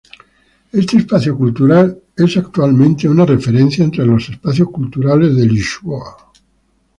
Este espacio cultural es actualmente una referencia entre los espacios culturales de Lisboa.